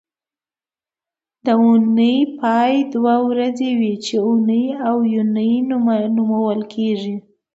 د اونۍ پای دوه ورځې وي چې اونۍ او یونۍ نومول کېږي